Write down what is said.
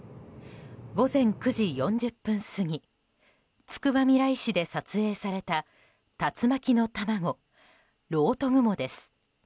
午前９時４０分過ぎつくばみらい市で撮影された竜巻の卵、ろうと雲です。